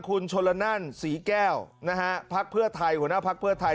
คุณชนละนั่นศรีแก้วหัวหน้าภักดิ์เพื่อไทย